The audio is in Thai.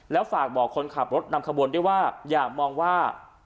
แล้วฝากบอกคนขับรถนำขบวนด้วยว่าอย่ามองว่า